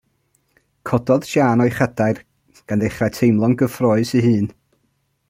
Cododd Siân o'i chadair gan ddechrau teimlo'n gyffrous ei hun.